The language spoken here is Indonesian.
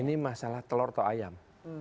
ini masalah telur atau ayam